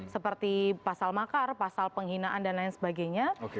seperti pasal makar pasal penghinaan dan lain sebagainya